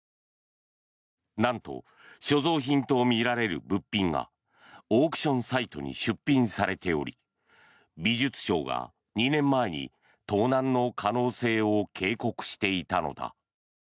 なんと、所蔵品とみられる物品がオークションサイトに出品されており美術商が２年前に盗難の可能性を警告していたのだ。